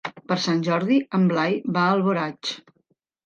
Per Sant Jordi en Blai va a Alboraig.